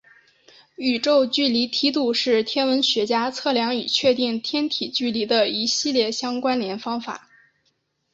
宇宙距离梯度是天文学家测量与确定天体距离的一系列相关联方法。